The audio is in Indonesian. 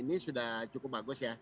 ini sudah cukup bagus ya